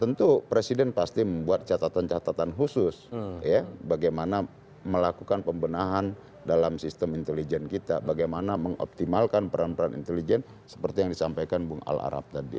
tentu presiden pasti membuat catatan catatan khusus bagaimana melakukan pembenahan dalam sistem intelijen kita bagaimana mengoptimalkan peran peran intelijen seperti yang disampaikan bung al arab tadi